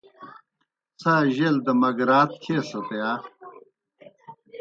څھا جیل دہ مگراتھ کھیسَت یا؟